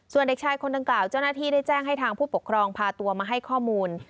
ส่วนเด็กชายคนดังกล่าวเจ้าหน้าที่ได้แจ้งให้ทางผู้ปกครองพาตัวมาให้ข้อมูล